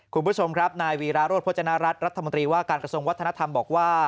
คุณผู้ชมครับนายวีราโรธพจนรัฐรัฐรัฐมนตรีว่าการกระทรวงวัฒนธรรมบอกว่า